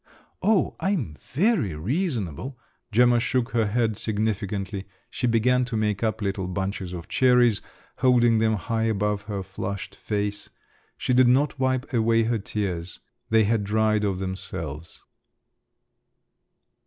"Oh, I'm very reasonable!" Gemma shook her head significantly. She began to make up little bunches of cherries, holding them high above her flushed face. She did not wipe away her tears; they had dried of themselves.